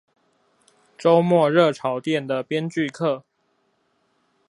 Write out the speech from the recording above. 週末熱炒店的編劇課